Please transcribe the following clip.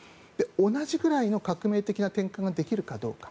同じぐらいの革命的な転換ができるかどうか。